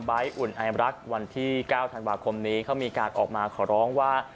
ใบ้อุ่นอายรักษ์วันที่เก้าธันวาคมนี้เขามีการออกมาขอร้องว่า